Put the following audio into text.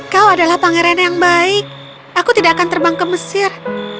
kau adalah pangeran yang baik aku tidak akan terbang ke mesir